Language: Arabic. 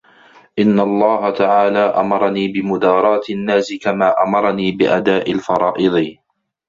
إنَّ اللَّهَ تَعَالَى أَمَرَنِي بِمُدَارَاةِ النَّاسِ كَمَا أَمَرَنِي بِأَدَاءِ الْفَرَائِضِ